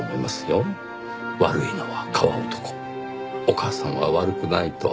悪いのは川男お母さんは悪くないと。